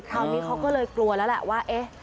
ตอนนี้เขาก็เลยกลัวแล้วแหละว่าเอ๊ะ